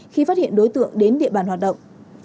khi phát hiện đối tượng đến địa bàn hoạt động